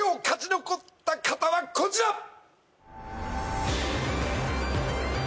勝ち残った方はこちら！